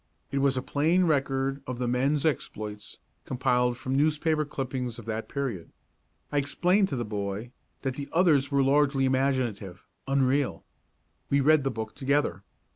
It was a plain record of the men's exploits, compiled from newspaper clippings of that period. I explained to the boy that the others were largely imaginative unreal. We read the book together.